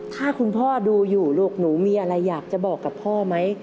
ถ้าคุณพ่อดูอยู่ลูกหนูมีอะไรอยากจะบอกกับพ่อไหม